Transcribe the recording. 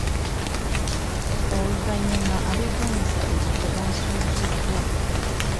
Oluvannyuma abeegwanyiza ebifo baasunsuddwa